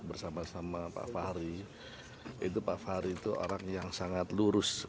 bersama sama pak fahri itu pak fahri itu orang yang sangat lurus